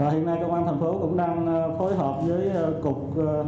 hiện nay công an tp hcm cũng đang phối hợp với cục